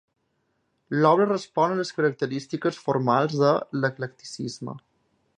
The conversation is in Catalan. L'obra respon a les característiques formals de l'eclecticisme.